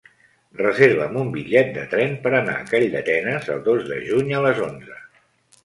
Reserva'm un bitllet de tren per anar a Calldetenes el dos de juny a les onze.